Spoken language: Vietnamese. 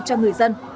cho người dân